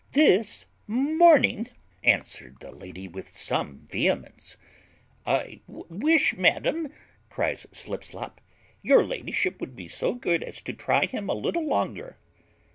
"This morning," answered the lady with some vehemence. "I wish, madam," cries Slipslop, "your ladyship would be so good as to try him a little longer."